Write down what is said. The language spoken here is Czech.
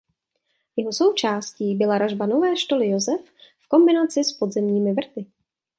Jeho součástí byla ražba nové štoly Josef v kombinaci s podzemními vrty.